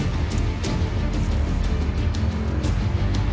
ทางหน้าคลูม